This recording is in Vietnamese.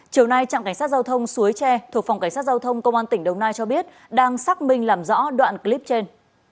chiều nay trạm cảnh sát giao thông suối tre thuộc phòng cảnh sát giao thông công an tỉnh đồng nai cho biết đang xác minh làm rõ đoạn clip trên